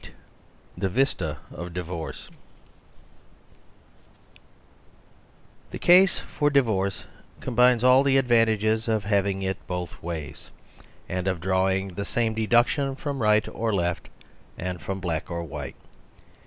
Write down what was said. — The Vista of Divorce THE case for divorce combines all the advantages of having it both ways ; and of drawing the same deduction from right or left, and from black or white.